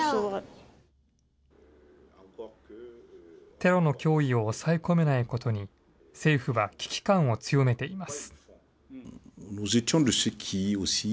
テロの脅威を抑え込めないことに、政府は危機感を強めています。